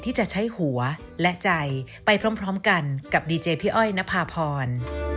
ด้วยพี่อ้อยณพาพร